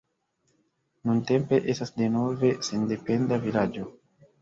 Nuntempe estas denove sendependa vilaĝo.